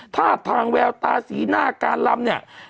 ท่าทางแววตาสีหน้าการลำเนี่ย